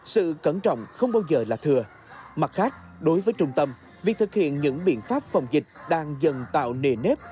sự cẩn trọng không bao giờ là thừa mặt khác đối với trung tâm việc thực hiện những biện pháp phòng dịch đang dần tạo nề nếp